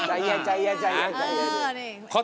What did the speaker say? ใจเย็น